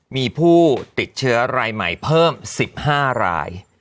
มีผู้ติดเชื้อรายใหม่เพิ่ม๑๕ราย